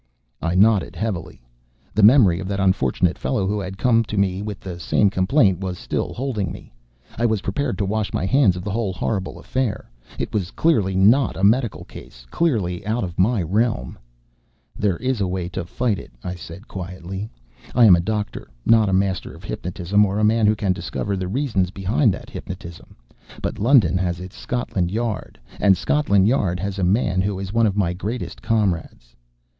I nodded heavily. The memory, of that unfortunate fellow who had come to me with the same complaint was still holding me. I was prepared to wash my hands of the whole horrible affair. It was clearly not a medical case, clearly out of my realm. "There is a way to fight it," I said quietly. "I am a doctor, not a master of hypnotism, or a man who can discover the reasons behind that hypnotism. But London has its Scotland Yard, and Scotland Yard has a man who is one of my greatest comrades...."